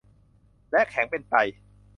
และแข็งเป็นไต